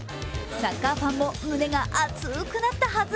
サッカーファンも胸が熱くなったはず。